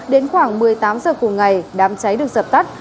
đến khoảng một mươi tám h cùng ngày đám cháy được dập tắt